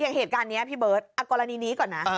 อย่างเหตุการณ์นี้พี่เบิร์ตเอากรณีนี้ก่อนนะ